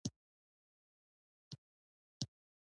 هغوی خپله ډوډۍ خوري